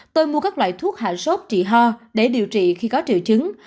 tôi mua các loại thuốc hạ sốt trị ho để điều trị khi có triệu chứng